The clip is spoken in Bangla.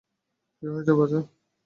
কী হয়েছে বাছা?